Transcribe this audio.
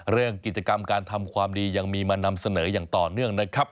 เรื่องกิจกรรมการทำความดียังมีมานำเสนออย่างต่อเนื่องนะครับ